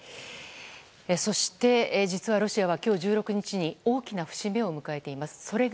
そして、実はロシアは今日１６日に大きな節目を迎えています。